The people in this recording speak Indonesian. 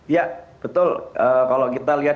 ya betul kalau kita lihat